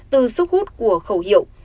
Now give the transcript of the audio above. từ sức hút của khẩu hiệu